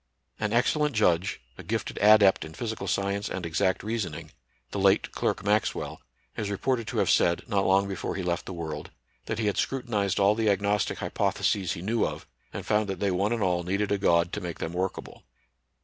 An excellent judge, a gifted adept in physical science and exact reasoning, the late Clerk Maxwell, is reported to have said, not long before he left the world, that he had scru tinized all the agnostic hypotheses he knew of, and found that they one and aU needed a God to make them workable.